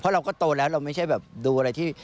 เราก็โตแล้วเราไม่ใช่แบบดูอะไรที่